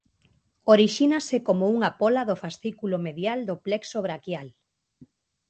Orixínase como unha póla do fascículo medial do plexo braquial.